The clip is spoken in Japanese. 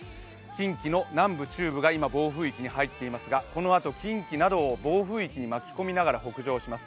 近畿の南部・中部が今、暴風域に入っていますがこのあと近畿などを暴風域に巻き込みながら北上します。